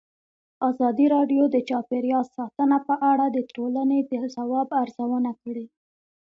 ازادي راډیو د چاپیریال ساتنه په اړه د ټولنې د ځواب ارزونه کړې.